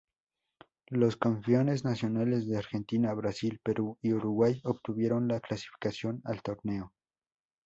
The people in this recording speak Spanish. Los campeones nacionales de Argentina, Brasil, Perú y Uruguay obtuvieron la clasificación al torneo.